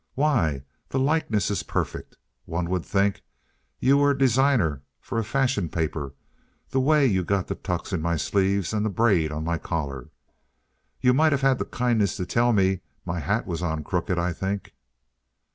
"Why? The likeness is perfect. One would think you were designer for a fashion paper, the way you got the tucks in my sleeve and the braid on my collar and you might have had the kindness to TELL me my hat was on crooked, I think!"